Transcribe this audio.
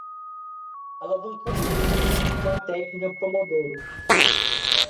Alavancando os estudos com a técnica pomodoro